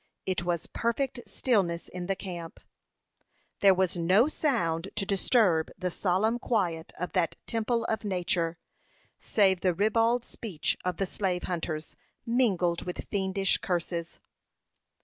It was perfect stillness in the camp. There was no sound to disturb the solemn quiet of that temple of nature, save the ribald speech of the slave hunters, mingled with fiendish curses.